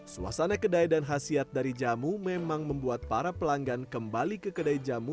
suasana kedai dan khasiat dari jamu memang membuat para pelanggan kembali ke kedai jamu